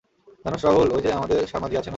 জানোস রাহুল, ওই যে আমাদের সার্মা জি আছে না?